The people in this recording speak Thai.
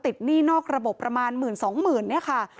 ติดหนี้นอกระบบประมาณหมื่นสองหมื่นเนี่ยค่ะ